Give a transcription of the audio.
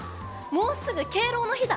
もうすぐ敬老の日だ！